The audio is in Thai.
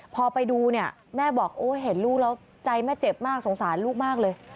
พอไปดูเนี่ยแม่บอกโอ้เห็นลูกแล้วใจแม่เจ็บมากสงสารลูกมากเลย